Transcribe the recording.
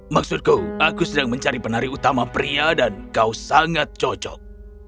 maksudku aku sedang mencari penari utama pria dan kau sangat cocok